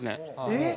えっ！